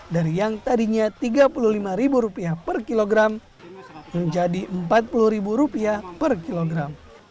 dari yang tadinya rp tiga puluh lima per kilogram menjadi rp empat puluh per kilogram